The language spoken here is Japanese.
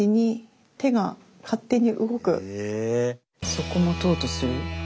そこ持とうとする。